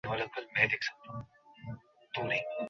এখানে আরো আছে।